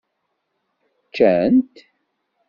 Ččan-t?